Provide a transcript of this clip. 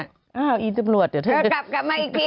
อ้าวอีตำรวจเดี๋ยวเธอกลับกลับมาอีกที